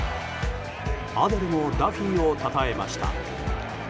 アデルもダフィーをたたえました。